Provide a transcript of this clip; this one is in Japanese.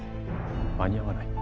間に合わない。